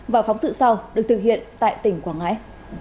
và phóng sự sau được thực hiện tại tỉnh quảng ngãi